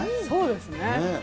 そうですね。